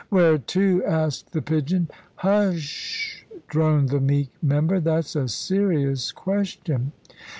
"Where to?" asked the pigeon. "Hu s s sh!" droned the meek member; "that's a serious question."